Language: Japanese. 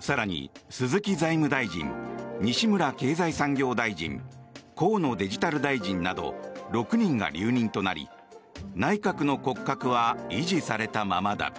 更に、鈴木財務大臣西村経済産業大臣河野デジタル大臣など６人が留任となり内閣の骨格は維持されたままだ。